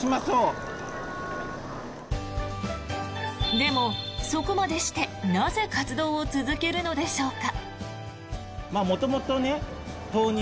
でも、そこまでしてなぜ活動を続けるのでしょうか。